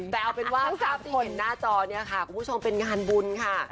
แต่เอาเป็นว่าที่เห็นหน้าจอเนี่ยค่ะคุณผู้ชมเป็นงานบุญค่ะ